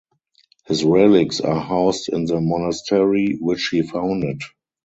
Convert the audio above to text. His relics are housed in the monastery which he founded.